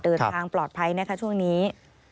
เดินทางปลอดภัยนะคะช่วงนี้